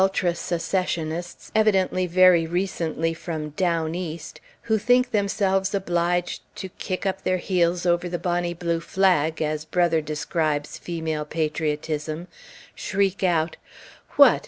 Some of these Ultra Secessionists, evidently very recently from "down East," who think themselves obliged to "kick up their heels over the Bonny Blue Flag," as Brother describes female patriotism, shriek out, "What!